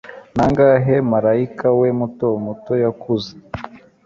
nangahe marayika we muto muto yakuze